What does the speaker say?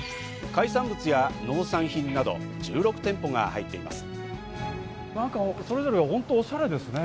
海産物や農産品など１６店舗が入っています。